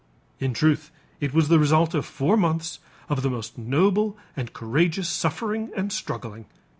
In truth it was the result of four months of the most noble and courageous suffering and struggling.